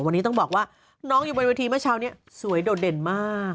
วันนี้ต้องบอกว่าน้องอยู่บนเวทีเมื่อเช้านี้สวยโดดเด่นมาก